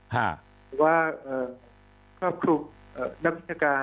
หรือว่าครอบคลุมนักวิชาการ